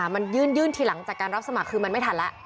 มันยื่นทีหลังจากการรับสมัครคือมันไม่ทันแล้ว